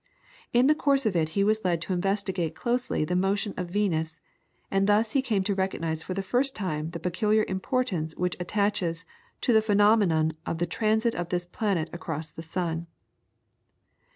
In the course of it he was led to investigate closely the motion of Venus, and thus he came to recognise for the first time the peculiar importance which attaches to the phenomenon of the transit of this planet across the sun.